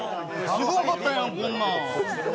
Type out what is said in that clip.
すぐ分かったやん、こんなん。